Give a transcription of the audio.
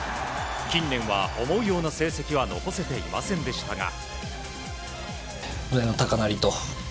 近年は思うような成績は残せていませんでしたが。